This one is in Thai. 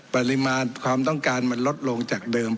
ปริมาณความต้องการมันลดลงจากเดิม